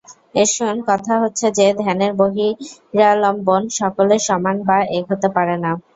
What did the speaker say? এখন কথা হচ্ছে যে, ধ্যানের বহিরালম্বন সকলের সমান বা এক হতে পারে না।